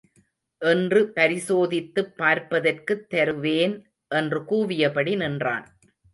என்று பரிசோதித்துப் பார்ப்பதற்குத் தருவேன். என்று கூவியபடி நின்றான்.